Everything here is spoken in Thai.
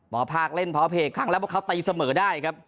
ภาคเล่นพอเพจครั้งแล้วพวกเขาตีเสมอได้ครับ